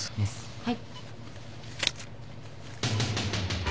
はい。